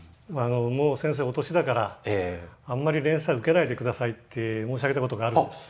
「もう先生お年だからあんまり連載を受けないで下さい」って申し上げたことがあるんです。